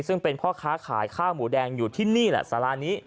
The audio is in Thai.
ซึ่งเป็นพ่อค้าขายข้าวหมูแดงอยู่ที่นี่แหละสารานี้